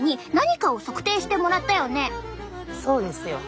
そうですよ。